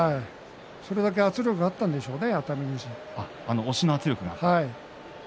それだけの圧力があったんでしょうね